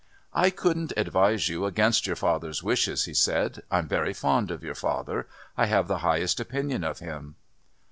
"I couldn't advise you against your father's wishes," he said. "I'm very fond of your father. I have the highest opinion of him."